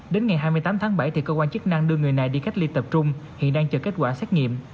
đến ngày hai mươi tám tháng bảy thì cơ quan chức năng đưa người này đi cách ly tập trung hiện đang chờ kết quả xét nghiệm